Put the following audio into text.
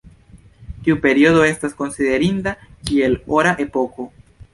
Tiu periodo estas konsiderinda kiel Ora epoko.